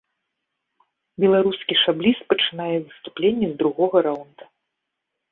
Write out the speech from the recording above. Беларускі шабліст пачынае выступленні з другога раўнда.